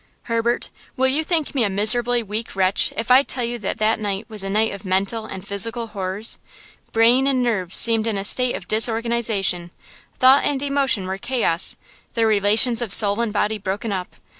Herbert, will you think me a miserably weak wretch if I tell you that that night was a night of mental and physical horrors? Brain and nerves seemed in a state of disorganization; thought and emotion were chaos; the relations of soul and body broken up.